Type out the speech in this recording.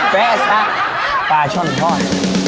แป๊ะซะปลาช่อนทอด